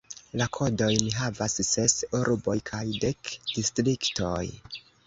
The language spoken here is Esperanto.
La kodojn havas ses urboj kaj dek distriktoj.